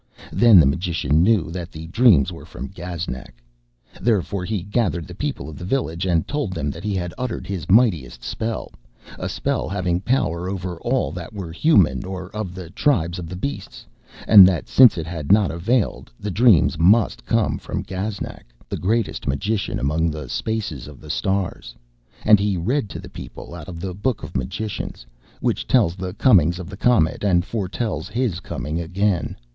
Then the magician knew that the dreams were from Gaznak. Therefore he gathered the people of the village, and told them that he had uttered his mightiest spell a spell having power over all that were human or of the tribes of the beasts; and that since it had not availed the dreams must come from Gaznak, the greatest magician among the spaces of the stars. And he read to the people out of the Book of Magicians, which tells the comings of the comet and foretells his coming again.